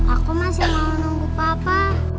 aku masih mau menunggu papa